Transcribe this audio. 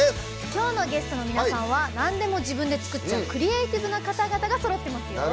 きょうのゲストの皆さんはなんでも自分で作っちゃうクリエイティブな方々がそろってますよ。